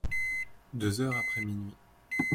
Deux heures après minuit.